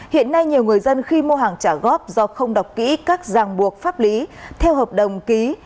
hiện nay nhiều người dân khi mua hàng trả góp do không đọc kỹ các giang buộc pháp lý theo hợp đồng ký